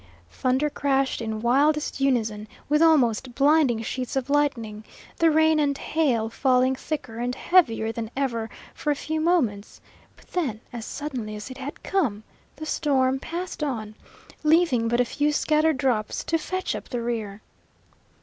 Thunder crashed in wildest unison with almost blinding sheets of lightning, the rain and hail falling thicker and heavier than ever for a few moments; but then, as suddenly as it had come, the storm passed on, leaving but a few scattered drops to fetch up the rear.